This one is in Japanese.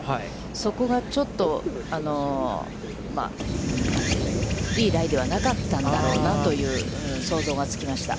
そこがちょっといいライではなかったんだろうなという想像がつきました。